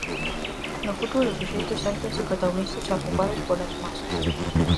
No fútbol os suxeitos séntense protagonistas arroupados polas masas.